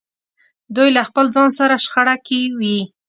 دوی له خپل ځان سره شخړه کې وي.